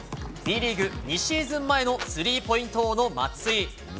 Ｂリーグ２シーズン前のスリーポイント王の松井。